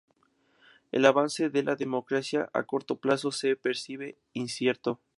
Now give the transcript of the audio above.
El avance de la democracia a corto plazo se percibe incierto.